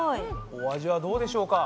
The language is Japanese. お味はどうでしょうか？